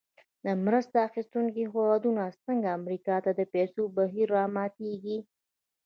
د مرسته اخیستونکو هېوادونو څخه امریکا ته د پیسو بهیر راماتیږي.